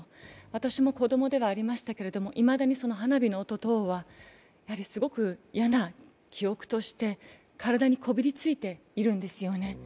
私も子供ではありましたけどいまだに花火の音等は、すごく嫌な記憶として体にこびりついているんですよね。